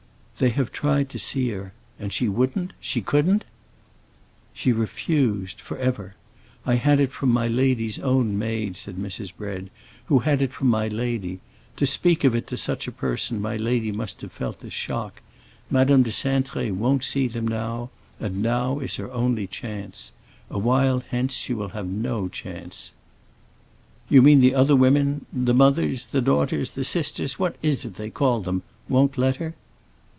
"They have tried to see her, and she wouldn't—she couldn't?" "She refused—forever! I had it from my lady's own maid," said Mrs. Bread, "who had it from my lady. To speak of it to such a person my lady must have felt the shock. Madame de Cintré won't see them now, and now is her only chance. A while hence she will have no chance." "You mean the other women—the mothers, the daughters, the sisters; what is it they call them?—won't let her?"